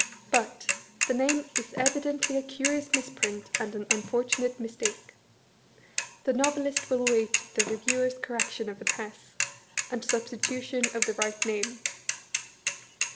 But, the name is evidently a curious misprint and an un fortunate mistake. The ISTovelist wUl await the Eeviewer's correction of the press, and substitution of the right name.